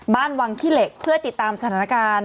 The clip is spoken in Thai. บ้านวังขี้เหล็กเพื่อติดตามสถานการณ์